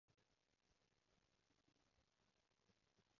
得閒飲茶真係會去飲茶！？